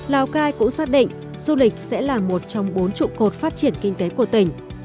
lào cai cũng xác định du lịch sẽ là một trong bốn trụ cột phát triển kinh tế của tỉnh